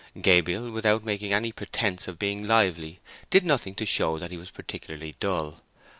Gabriel, without making any pretence of being lively, did nothing to show that he was particularly dull.